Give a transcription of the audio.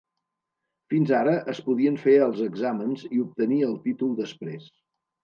Fins ara, es podien fer els exàmens i obtenir el títol després.